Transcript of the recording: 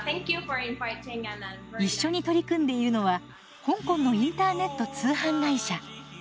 一緒に取り組んでいるのは香港のインターネット通販会社。